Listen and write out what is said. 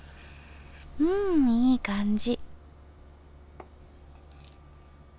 うんいい感じ。